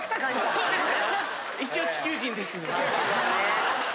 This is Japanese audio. そうですね。